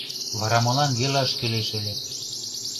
— Вара молан велаш кӱлеш ыле?